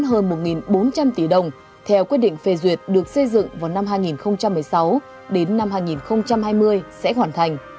hơn một bốn trăm linh tỷ đồng theo quyết định phê duyệt được xây dựng vào năm hai nghìn một mươi sáu đến năm hai nghìn hai mươi sẽ hoàn thành